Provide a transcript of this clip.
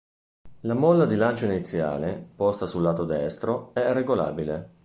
La molla di lancio iniziale, posta sul lato destro, è regolabile.